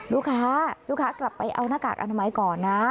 ลูกค้าลูกค้ากลับไปเอาหน้ากากอนามัยก่อนนะ